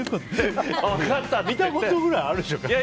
見たことぐらいあるでしょ。